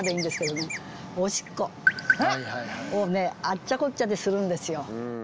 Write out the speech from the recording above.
あっちゃこっちゃでするんですよ。